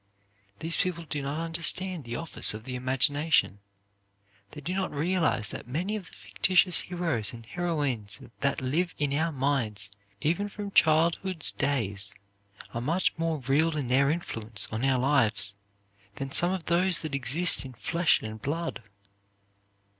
These people do not understand the office of the imagination; they do not realize that many of the fictitious heroes and heroines that live in our minds, even from childhood's days, are much more real in their influence on our lives than some of those that exist in flesh and blood.